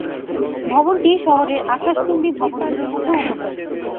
ভবনটি শহরের আকাশচুম্বী ভবনগুলোর মধ্যে অন্যতম।